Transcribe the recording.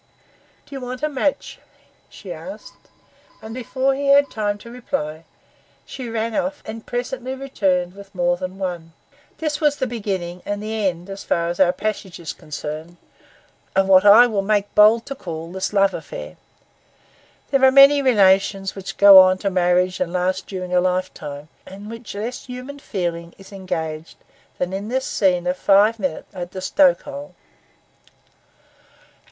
'Do you want a match?' she asked. And before he had time to reply, she ran off and presently returned with more than one. That was the beginning and the end, as far as our passage is concerned, of what I will make bold to call this love affair. There are many relations which go on to marriage and last during a lifetime, in which less human feeling is engaged than in this scene of five minutes at the stoke hole.